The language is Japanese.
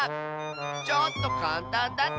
ちょっとかんたんだったかな。